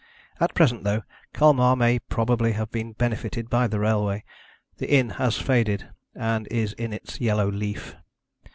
At present, though Colmar may probably have been benefited by the railway, the inn has faded, and is in its yellow leaf.